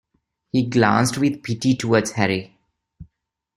He glanced with pity towards Harry.